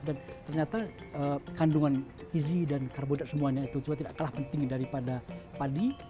dan ternyata kandungan gizi dan karbohidrat semuanya itu tidak kalah penting daripada padi